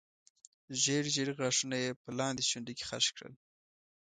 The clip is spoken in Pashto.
ژېړ ژېړ غاښونه یې په لاندې شونډه کې خښ کړل.